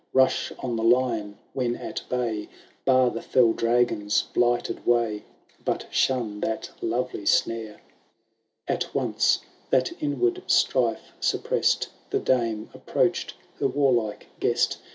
Rush on the lion when at bay. Bar the fell dragon'^ blighted way. But shun that lovely snare !*—^ XX. '' At once, that inward strife suppressed. The dame approached her warlike guest.